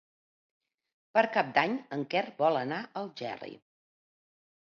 Per Cap d'Any en Quer vol anar a Algerri.